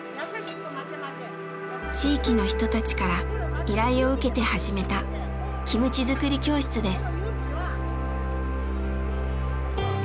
地域の人たちから依頼を受けて始めたキムチづくり教室です。